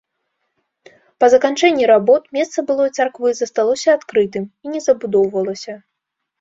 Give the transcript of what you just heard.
Па заканчэнні работ месца былой царквы засталося адкрытым і не забудоўвалася.